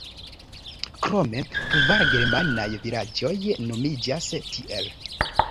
Krome kvar germanaj vilaĝoj nomiĝas tiel.